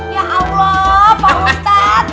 ya allah pak ustad